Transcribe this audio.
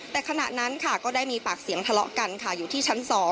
แต่ขณะนั้นค่ะก็ได้มีปากเสียงทะเลาะกันค่ะอยู่ที่ชั้น๒